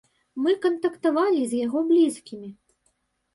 Мы кантактавалі з яго блізкімі.